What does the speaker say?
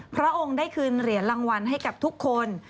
พระองค์ได้คืนเหรียญรางวัลให้กับทุกคน